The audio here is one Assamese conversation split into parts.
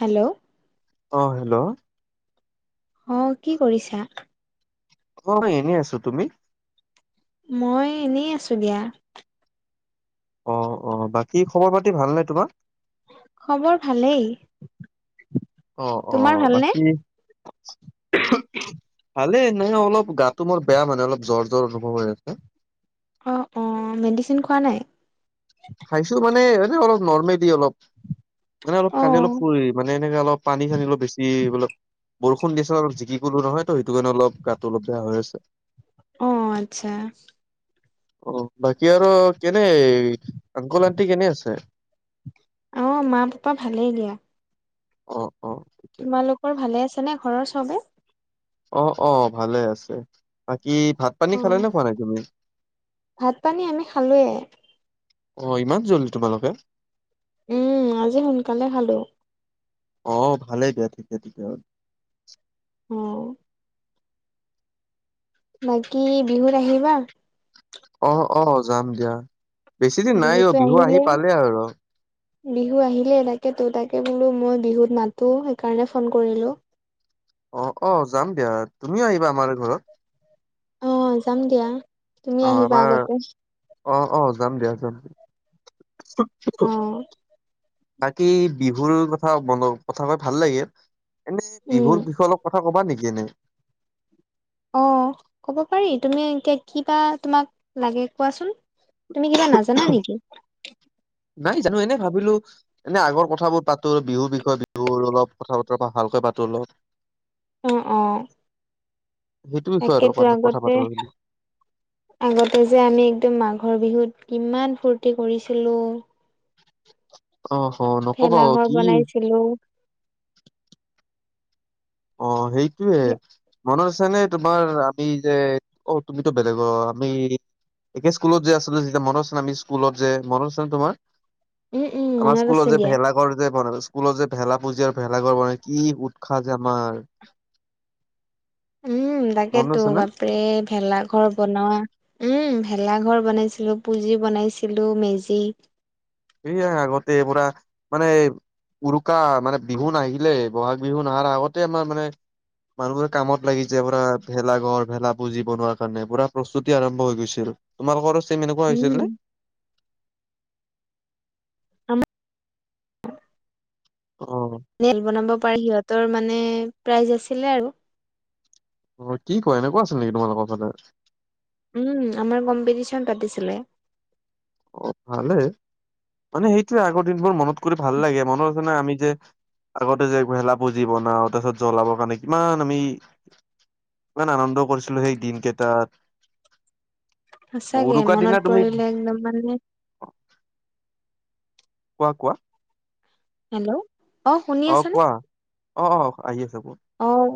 হেল্ল'! অ হেল্ল'। অ কি কৰিছা? অ এনেই আছো, তুমি? মই এনেই আছো দিয়া। অ অ বাকী খবৰ পাতি ভাল নাই তোমাৰ? খবৰ ভালেই। অ অ তোমাৰ ভালনে? বাকী ভালে এ ন অলপ গাটো মোৰ বেয়া মানে অলপ জ্বৰ জৰ অনুভৱ হৈ আছে। অ অ মেডিচিন খোৱা নাই? খাইছো মানে এনে অলপ নৰ্মেলি অলপ মানে অলপ অ কান্দি অলপ ফুল মানে সেনেকে অলপ পানী চানী অলপ বেছি অলপ বৰষুণ দিছে অলপ জিকি কলো নহয় তো সেইটো কাৰণে অলপ গাতটো অলপ বেয়া হৈ আছে। অ আচ্ছা। অ বাকী আৰু কেনে আংকল- আণ্টি কেনে আছে? আহ মা পাপা ভালেই দিয়া। অ। অ ঠিকে। তোমালোকৰ ভালে আছে নে ঘৰৰ চবে? অ অ ভালে আছে, বাকী ভাত পানী অ খালে নে খোৱা নাই তুমি? ভাত পানী আমি খালোৱে। অ ইমান জলদী তোমালোকে? উম আজি সোনকালে খালো। অ ভালেই দিয়া ঠিকে তেতিয়া হলে। উম। বাকী বিহুত আহিবা? অ অহ যাম দিয়া, বেছিদিন নাই অ বিহুতো বিহু আহিলে আহি পালে আৰু। বিহু আহিলে তাকেতো তাকে বোলো মই বিহুত নাতো সেইকাৰণে ফোন কৰিলো। অ অ যাম দিয়া তুমিও আহিবা আমাৰ ঘৰত? আহ যাম দিয়া তুমি অ আহিবা আমাৰ আগতে। অ অ যাম দিয়া যাম। অ বাকী বিহুৰ কথা মন কথা কৈ ভাল লাগে। এনে উম। বিহুৰ বিষয়ে অলপ কথা কবা নেকি এনে? অ ক'ব পাৰি তুমি এতিয়া কিবা তোমাক লাগে কোৱাচোন? তুমি কিবা নাজানা নেকি? নাই জানো এনে ভাবিলো এনেই আগৰ কথাবোৰ পাতো বিহুৰ বিষয়ে বিহুৰ অলপ কথা বতৰা ভালকৈ পাতো অলপ। অহ অ। সেইটো বিষয়ে আৰু তাকেইতো অকণ কথা আগতে, পাতো ভাবিলো আগতে যে আমি একদম মাঘৰ বিহুত ইমান ফূৰ্তি কৰিছিলোঁ। অ অ নকবা অ ভেলাঘৰ কি বনাইছিলো অ সেইটোয়ে মন শুনিচানে তোমাৰ আমি যে অ তুমিতো বেলেগৰ আমি একে স্কুলত যে আছিলো যেতিয়া মনত আছে নাই আমি স্কুলত যে মনত আছে নে তোমাৰ? উম উম আমাৰ মনত স্কুলত আছে যে দিয়া ভেলাঘৰ যে বনাইছ স্কুলত যে ভেলা পুঁজি আৰু ভেলাঘৰ মানে কি উৎসাহ যে আমাৰ। উম। উম মনত তাকেতো আছে নে বাপৰে ভেলা ঘৰ বনোৱা উম ভেলা ঘৰ বনাইছিলো পুজি বনাইছিলোঁ মেজি। সয়া আগতে পুৰা মানে। উৰুকা মানে বিহু নাহিলে বহাগ বিহু নাহাৰ আগতে আমাৰ মানে। মানুহবোৰে কামত লাগি য পুৰা ভেলা ঘৰ ভেলা পুজি বনোৱাৰ কাৰণে পুৰা প্ৰস্তুতি আৰম্ভ হৈ গৈছিল। তোমালোকৰো চেম এনেকুৱা হৈছিল উম নে। আম। অ নেট বনাব পাৰে সিহঁতৰ মানে প্ৰাইজ আছিলে আৰু অঁ কি কোৱা এনেকুৱা আছিল নেকি তোমালোকৰ ফালে। উম আমাৰ কম্পিটিশন পাতিছিলে। অঁ ভালেই। মানে সেইটোোৱে আগৰ দিনবোৰ মনত কৰি ভাল লাগে মনতছেনে আমি যে। আগতে যে ভেলা ভুজি বনাও তাৰ পিছত জ্বলাবৰ কাৰণে কিমান আমি। ইমান আনন্দ কৰিছিলো সেই দিন কেইটাত। সঁচাকে উৰুকা মনত দিনা তুমি পৰিলে একদম মানে। কোৱা কোৱা। হেল্ল' অঁহ শুনি অ আছানে কোৱা অ অ আহি আছে কোৱা অহ।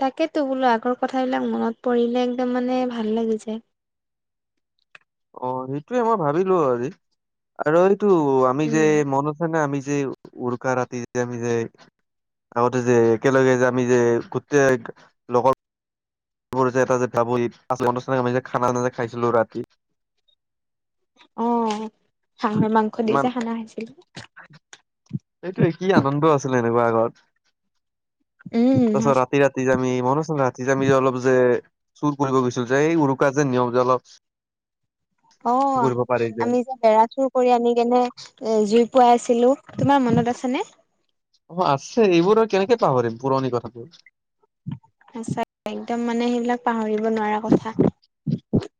তাকেইতো বোলো আগৰ কথাবিলাক মনত পৰিলে একদম মানে ভাল লাগি যায়। [unintelligible] অঁ সেইটোৰ মই ভাবিলোঁ আজি। আৰু এইটো আমি যে উম। মনত আছে নাই আমি যে। যে উৰোকা ৰাতি যে আমি যে। আগতে যে একেলগে যে আমি যে গোটেই লগৰ। পোহৰ যে এটা যে ভাবইদ অনুষ্ঠান যে খানা চানা যে খাইছিলোঁ ৰাতি। অহ হাঁহৰ মাংস দি ইমান যে খানা খাইছিলোঁ। সেইটোৱেই কি আনন্দ আছিলে এনেকুৱা আগত উম তাৰপাছত ৰাতি ৰাতি যে। আমি মনত আছে নাই ৰাতি যে আমি যে অলপ যে চুৰ কৰিব গৈছিলোঁ। যে এই উৰুকা যে নিয়ম যে অলপ। অঁ কৰিব পাৰি আমি যে বেৰা চুৰ কৰি আনি কিনে জুই পুৱাই আছিলোঁ। তোমাৰ মনত আছ নে। অঁ আছে এইবোৰ আৰু কেনেকে পাহৰিম পুৰণি কথাবোৰ। আছে একদম মানে সেইবিলাক পাহৰিব নোৱাৰা কথা। [unintelligible]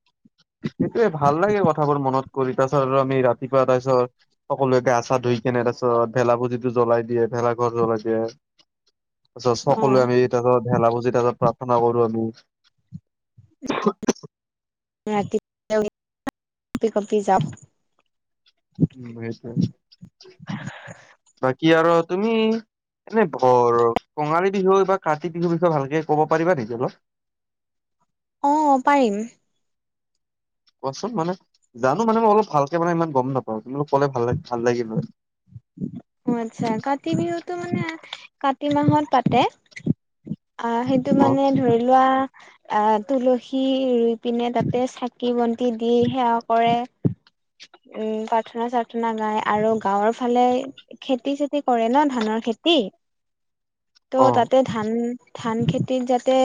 সেইটোৱেই ভাল লাগে কথাবোৰ মনত কৰি তাৰপিছত, আৰু আমি ৰাতিপুৱা তাৰপিছত সকলোৱে গা চা ধুই কিনে। এনে তাৰপিছত ভেলা ভূজিতো জ্বলাই দিয়ে ভেলা ঘৰ জ্বলাই দিয়ে। [unintelligible] তাৰপিছত অ সকলোৱে আমি ভেলাভুজি তাৰপ্ৰসাদ। প্ৰাৰ্থনা কৰোঁ আমি। ৰাতি এনেকে কপি কপি যাম। উম সেইটোৱেই বাকী আৰু তুমি। এনে ব কঙালী বিহু বা কাতি বিহুৰ বিষয়ে ভালকে ক'ব পাৰিবা নেকি অলপ। অঁ পাৰিম। কোৱাচোন মানে জানোঁ মানে মই অলপ ভালকে মানে ইমান গম নাপাওঁ কিন্তু কলে ভাল ভাল লাগিব। অঁ আচ্ছা কাতি বিহুটো মানে কাতি মাহত পাতে। অঁ সেইটো অ মানে ধৰি লোৱা। অঁহ তুলসী ৰুই পিনে তাতে চাকি বন্তি দি সেৱা কৰে। উম প্ৰাৰ্থনা চাৰ্থনা গাই আৰু গাঁৱৰ ফালে। খেতি চেতি কৰে ন ধানৰ খেতি অ ত' তাতে ধান। ধান -খেতিত যাতে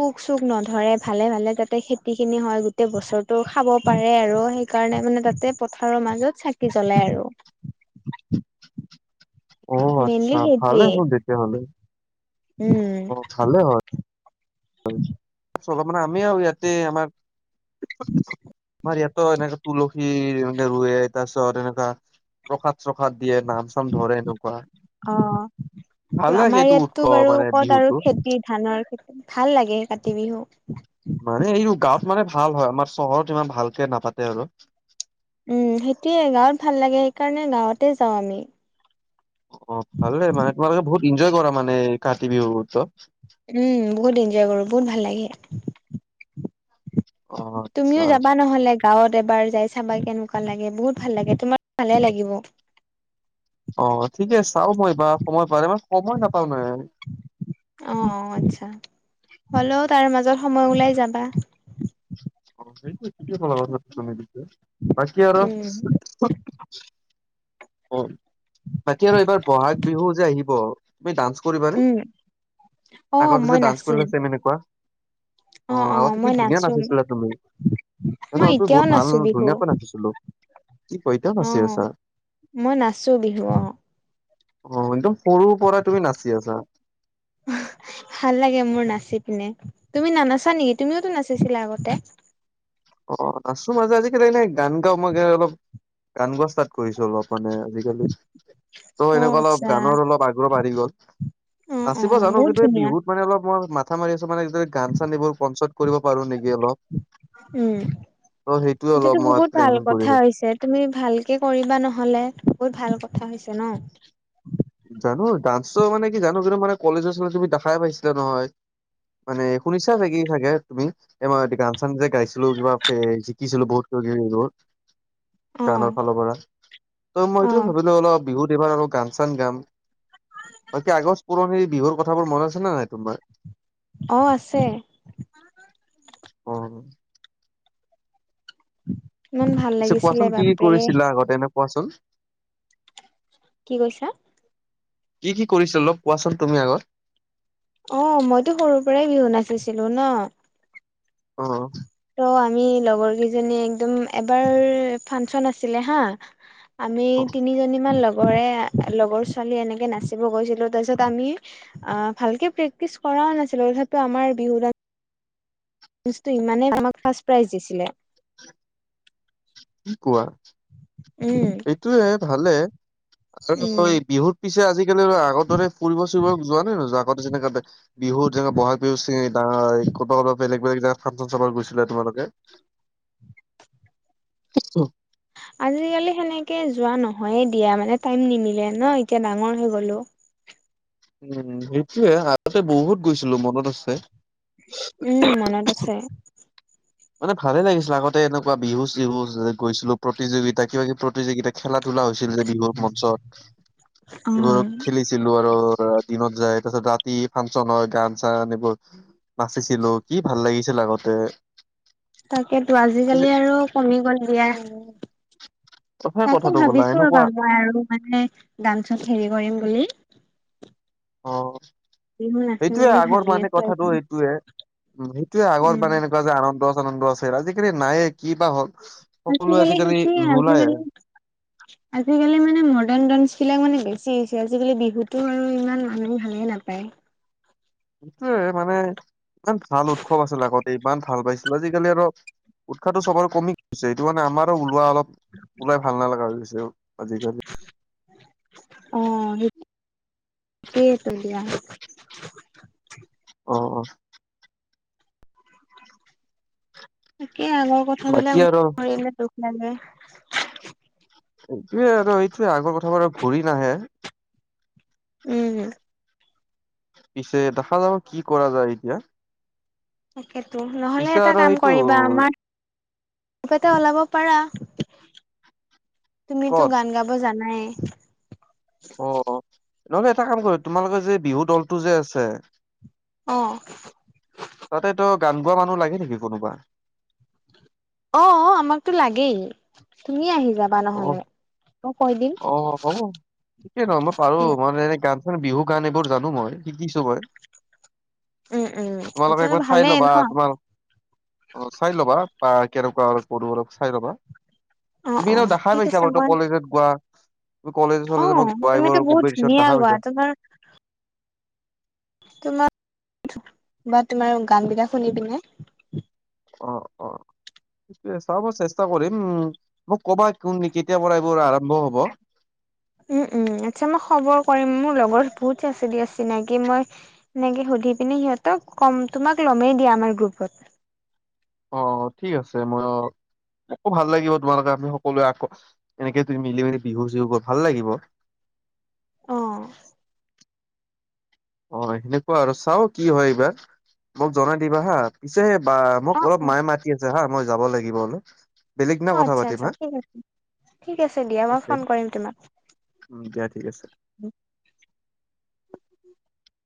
পোক চোক নধৰে ভালে ভালে যাতে খেতি খিনি হয় গোটেই বছৰ। টো খাব পাৰে আৰু সেইকাৰণে মানে তাতে পথাৰৰ মাজত চাকি জ্বলাই আৰু। [unintelligible] অঁ মেইনলি আচ্ছা সেইটোৱে ভালেহে তেতিয়া হ'লে। উম অ ভালে হয়। চল মানে আমি আৰু ইয়াতে আমাৰ। আমাৰ ইয়াত ত এনেকা। তুলসীৰ এনেকুৱা ৰুৱে তাৰ পিছত এনেকা প্ৰসাদ চসাদ। দিয়ে নাম চাম ধৰে এনেকুৱা। অ ভাল ত লাগে আমাৰ এইটো ইয়াতটো উৎসৱ বাৰু মানে ক'ত আৰু বিহুটো খেতি ধানৰ খেতি ভাল লাগে কাতি বিহু। মানে এই গাঁৱত মানে ভাল হয় আমাৰ চহৰত ইমান ভালকে নাপাতে আৰু। উম সেইটোৱেই গাঁৱত ভাল লাগে। সেইকাৰণে গাঁৱতে যাওঁ আমি। অ ভালে মানে তোমালোকে বহুত এনজয় কৰা মানে কাতি বিহুত। উম বহুত এনজয় কৰোঁ বহুত ভাল লাগে। অ তুমিওঁ আচ্ছা যাবা নহলে গাঁৱত এবাৰ যাই চাবা কেনেকুৱা। কেনেকোৱা লাগে বহুত ভাল লাগে তোমাক ভালে লাগিব। অ ঠিকে চাওঁ মই এইবাৰ সময় পালে মই সময় নাপাওঁ নহয়। অ আচ্ছা হলেওঁ তাৰ মাজত সময় ওঁলাই যাবা। [unintelligible] অ সেইটো থিকে ক দিছে বাকী আৰু উম, অ বাকী আৰু এইবাৰ বহাগ বিহু যে আহিব। তুমি ডান্স কৰিবা নে উম, অ', মই আগতে ডান্স নাচিম কৰিলো চনেকুৱ। অ আগতেো কি ধুনীয়া নাচিছিলা তুমি। মই নহয় তু এতিয়াও বহুত ভাল নাচো বিহু। ধুনীয়াকৈ নাচিছিলো। কি পইতাম আছে অ', আছা। মই নাচো বিহু অ। অ একদম সৰুৰ পৰা তুমি নাচি আছা। হয় [unintelligible] ভাল লাগে মোৰ নাচি পিনে তুমি নানাচা নেকি তুমিওতো নাচিছিলা আগতে। অ আছো মাজে আজিকালি এনেই গান গাওঁ মই গ অলপ গান গোৱা ষ্টাৰ্ট কৰিছো অলপ। মানে আজিকালি ত' অ', এনেকুৱা অলপ আচ্ছা গানৰ অলপ আগ্ৰহ বাঢ়ি গ'ল। অ', নাচিব অ', জানো বহুত কিন্তু ধুনীয়া বিহুত মানে অলপ মই ম। কাথা মাৰি আছো মানেদৰে গান চান এইবোৰ পঞ্চত কৰিব পাৰো নেকি অলপ। উম। ত সেইটোয়ে অলপ সটো মই বহুত ভাল প্লেনিং কথা কৰিছো হৈছে তুমি ভালকে কৰিবা নহলে বহুত ভাল কথা। কথা হৈছে ন। জানো ডান্স মানে কি জানো কিন্তু মানে কলেজৰ আচল তুমি দেখাই পাইছিলা নহয়। মানে শুনিছা চাগ কি চাগে তুমি এই মই গান চান যে গাইছা। টো কিবা শিকিছিলো বহুতকত। অ গানৰ ফালৰ পৰা ত মই অ এইটোয়ে ভাবিলো অলপ বিহুত এইবাৰ অল গান চান গাম। ত আগজ পুৰণি বিহুৰ কথাবোৰ মন আছে নে নাই তোমাৰ। অ আছে। অহ। ইমান ভাল পিছে লাগিছিলে কোৱাচোন কি কি বাপৰে কৰিছিলা আগতেনে কোৱাচোন। কি কৈছা। কি কি কৰিছিল লগ কোৱাচোন তুমি আগত। অ মইতো সৰু পৰাই বিহু নাচিছিলো ন। অ। ত' আমি লগৰ কেইজনী একদম এবাৰ ফাংচন আছিলে হা। আমি অ তিনিজনীমান লগৰে। লগৰ ছোৱালী এনেকে নাচিব গৈছিলো তাৰ পিছত আমি অ ভালকে প্ৰেক্টিচ কৰাও নাছিলো। সেইটো আমাৰ বিহু। জটো ইমানেই আমাক ফাৰ্ষ্ট প্ৰাইজ দিছিলে। কি কোৱা। উম এইটোয়ে ভালে। আৰু উম বিহুত পিছে আজিকালি আগৰ দৰে ফুৰিব চুৰিব যোৱা নাই ন আগতে যেনেককা। বিহুত যেনেকে বহাগ বিহু চ ক'ৰব ক'ব বেলেগ। বলেগ জো ফাংচন চত গৈছিলে তোমালোকে। আজিকালি সেনেকে যোৱা নহয়ে দিয়া মানে টাইম নিমিলে ন এতিয়া ডাঙৰ হৈ গলো। উম সেইটোয়ে আগতে বহুত গৈছিলো মনত আছে। উম মনত আছে। মানে ভালে লাগিছিলে আগতে এনেকুৱা বিহু চিহু যে গৈছিলো প্ৰতিযোগিতা কিবা কিবি প্ৰতিযোগিতা। খেলা ধূলা হৈছিল যে বিহুৰ মঞ্চত এইবোৰ খেলিছিলো আৰু দিনত যায় তাৰ পাছত ৰাতি ফাংচন হয় গান চান আনিবোৰ। নাচিছিলো কি ভাল লাগিছিল আগতে। তাকেতো আজি আজিকালি আৰু কমি গ'ল দিয়া। কথাই তাকো কথাটো ক'লা ভাবিছো এনেকুৱা আৰুব মই আৰু মানে ডান্সত হেৰি কৰিম বুলি। অঁ বিহু নাচিম সেইটোয়ে বুলি আগৰ ভাবি মানে আছো কথাটো এবাৰ সেইটোয়ে, উ সেইটোয়ে আগৰ উম। মানে এনেকুৱা যে আনন্দ। আনন্দ আছে আজিকালি নায়ে কি বা হ'ল। আজি সকলোৱে গলে আজিকালি নোলায় গলে। আজিকালি মানে মডাৰ্ণ ডান্স বিলাক মানে বেছি। গুচিছে আজিকালি বিহুতো আৰু ইমান মানুহ ভালে নাপায়। সেইটয়ে মানে ইমান ভাল উৎসৱ আছিলে আগতে ইমান ভাল পাইছিলো আজিকালি আৰু। উৎসাহটো সব আৰু কমি গৈছে সেইটো মানে আমাৰ ওলোৱা অলপ। ওলাই ভাল নালা হৈ গৈছে আজিকালি। আহ সিকেইেত দিয়া। অঁ অঁ। কি আগৰ বাকী কথাবিলাক আৰু মৰিলে দুখ লাগে। সেইটোৱে আৰু এইটোয়ে আগৰ কথাবাৰু ঘূৰি নাহে। উম হম। পিছে দেখা যাব কি কৰা যায় এতিয়া। সেইটো নহ'লে পিছে এটা আৰু কাম সেইটো কৰিবা আমাৰ। তে ওলাব পাৰা। তুমিতো ক'ত গান গাব জানাই। অঁ নহলে এটা কাম কৰ তোমালোকে যে বিহু দলটো যে আছে। অ তাতে তো গান গোৱা মানুহ লাগে নেকি কোনোবা। অঁ আমাকতো লাগেই তুমি আহিছা। অঁ অঁ ঠিকেই নহয় মই পাৰো উম মই এনে গান। বিহু গান এইবোৰ জানো মই শিকিছো মই। উম উম তোমালোকে তেতিয়াহ'লে একবাৰ চাই ভালেই ন ল'বা তোমাল, অ চাই ল'বা বা। কেনেকুৱা অ কৰো অলপ চাই লবা, অ তুমি অ এনে দেখা ঠিক পাইছা আছে ত মই কলেজত গোৱা। তুমি কলেজ অ তুমিতো চললেমাৰৰ বহুত কম্পিটিশন ধুনীয়া দেখা গোৱা পাইছা। তোমাৰ তোমাৰ, বা তোমাৰ গান বিলাক শুনি পিনে। অঁ অঁ। চাব চেষ্টা কৰিম উ মোক কবা কি কেতিয়াৰ পৰা এইবোৰ আৰম্ভ হব। উম উম আচ্ছা মই খবৰ কৰিম মোৰ লগৰ বহুত চচিৰি আছে। চিনাকি মই সনেকে সুধি পিননে সিহঁতক কম তোমাক লমেই দিয়া আমাৰ গ্ৰুপত। [unintelligible] অঁ ঠিক আছে মই অঁ। আকৌ ভাল লাগিব তোমালোকে আমি সকলোৱে আকৌ, এনেকে তুমি মিলি মেলি বিহু চিহু কৰ ভাল লাগিব। আঁহ। অঁ সেনেকুৱা আৰু চাওঁ কি হয় এইবাৰ, মোক জনাই দিবা হাঁ পিছেহে। বা অ মোক অলপ অ মায়ে মাতি আছে হা মই যাব লাগিব অলপ। বেলেগ অ দিনা কথা আচ্ছা আচ্ছা পাতিম হা। ঠিক আছে ঠিক আছে দিয়া অ মই ফোন কৰিম তোমাক। দিয়া। ঠিক আছে [unintelligible]